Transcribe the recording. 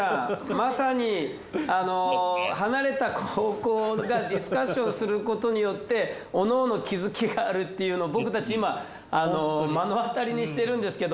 まさに離れた高校がディスカッションすることによっておのおの気づきがあるっていうの僕たち今目の当たりにしてるんですけど。